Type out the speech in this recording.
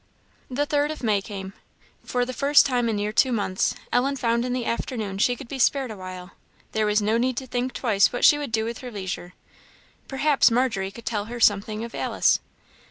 The third of May came. For the first time in near two months, Ellen found in the afternoon she could be spared awhile; there was no need to think twice what she would do with her leisure. Perhaps Margery could tell her something of Alice!